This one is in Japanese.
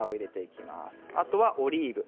あとはオリーブ。